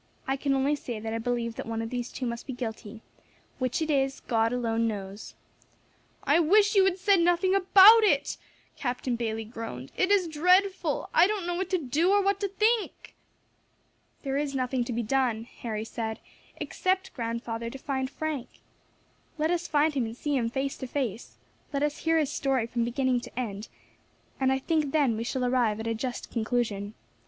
I can only say that I believe that one of these two must be guilty; which it is, God alone knows." "I wish you had said nothing about it," Captain Bayley groaned, "it is dreadful; I don't know what to do or what to think." "There is nothing to be done," Harry said, "except, grandfather, to find Frank. Let us find him and see him face to face; let us hear his story from beginning to end, and I think then we shall arrive at a just conclusion.